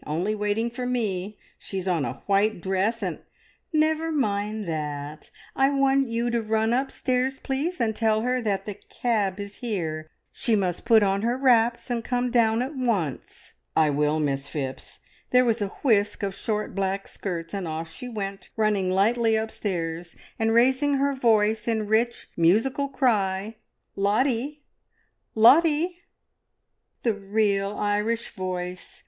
Only waiting for me. She's on a white dress, and " "Never mind that. I want you to run upstairs, please, and tell her that the cab is here. She must put on her wraps and come down at once." "I will, Miss Phipps." There was a whisk of short black skirts and off she went, running lightly upstairs, and raising her voice in rich, musical cry, "Lottie! Lottie!" "The real Irish voice!